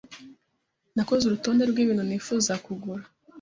Nakoze urutonde rwibintu nifuza kugura.